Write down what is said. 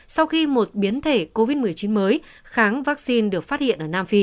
sau khi một biến thể covid một mươi chín mới kháng vaccine